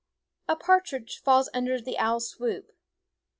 A partridge falls under the owl's swoop.